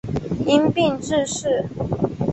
因病致仕。